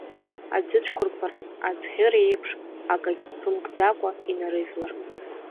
Аӡыцәқәырԥара, аӡӷьыра еиԥш, акагь ԥымкӡакәа инарыжәлар…